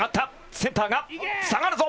センターが下がるぞ。